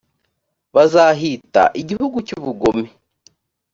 bazahita igihugu cy ubugome